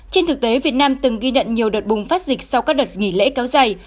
trên thực tế việt nam từng ghi nhận nhiều đợt bùng phát dịch sau các đợt nghỉ lễ kéo dài